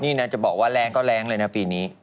นี่นะจะบอกว่าแรงก็แรงเลยนะปีนี้